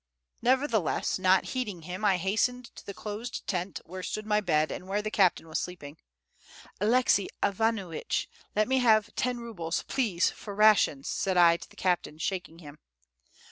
Nevertheless, not heeding him, I hastened to the closed tent, where stood my bed, and where the captain was sleeping. "Aleksei Ivanuitch, let me have ten rubles, please, for rations," said I to the captain, shaking him.